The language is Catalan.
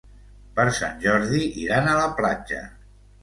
Per Sant Jordi iran a la platja.